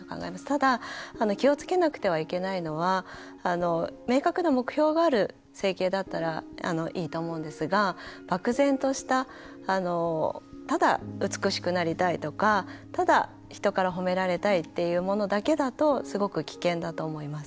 ただ気をつけなくてはいけないのは明確な目標がある整形だったらいいと思うんですが、漠然としたただ、美しくなりたいとかただ、人から褒められたいっていうものだけだとすごく危険だと思います。